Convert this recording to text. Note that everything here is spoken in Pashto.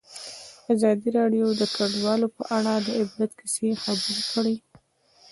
ازادي راډیو د کډوال په اړه د عبرت کیسې خبر کړي.